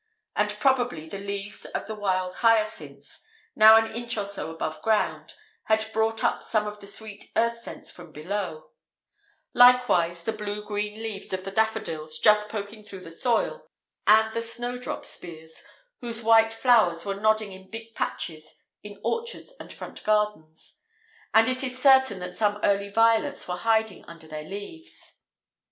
And probably the leaves of the wild hyacinths, now an inch or so above ground, had brought up some of the sweet earth scents from below; likewise the blue green leaves of the daffodils just poking through the soil, and the snowdrop spears, whose white flowers were nodding in big patches in orchards and front gardens. And it is certain that some early violets were hiding under their leaves.